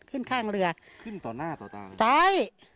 ขึ้นต่อหน้าต่อตา